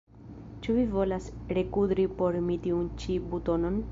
Ĉu vi volas rekudri por mi tiun ĉi butonon?